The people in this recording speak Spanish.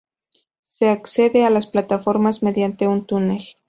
Se accede a las plataformas mediante un túnel.